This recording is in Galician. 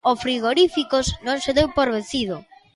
O Frigoríficos non se deu por vencido.